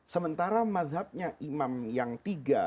sementara mazhabnya imam yang tiga